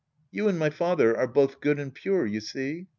You and my father are both good and pure, you see.